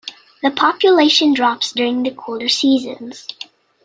The population drops during the colder seasons.